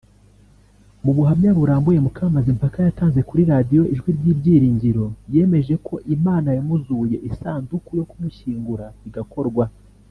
Mu buhamya burambuye Mukamazimpaka yatanze kuri radio Ijwi ry’Ibyiringiro yemeje ko Imana yamuzuye isanduku yo kumushyingura igakorwa